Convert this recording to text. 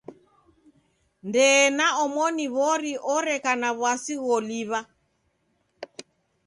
Ndee na omoni w'ori oreka na w'asi gholiw'a.